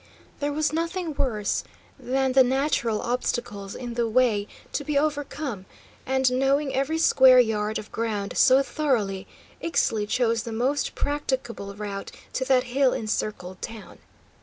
There was nothing worse than the natural obstacles in the way to be overcome, and, knowing every square yard of ground so thoroughly, Ixtli chose the most practicable route to that hill encircled town.